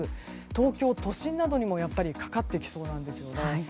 東京都心などにもかかってきそうなんですね。